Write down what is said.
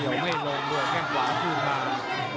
เดี๋ยวไม่ลงหัวแข้งขวาผู้พาร์ม